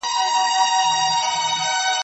ما چي ول دا کار به بالا اسانه سي باره سخت سو